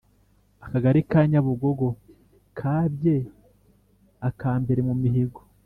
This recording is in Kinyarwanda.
akagari ka nyabugogo kabye aka mbere mu mihigo